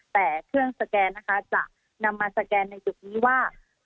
แต่เครื่องสแกนนะคะจะนำมาสแกนในจุดนี้ว่า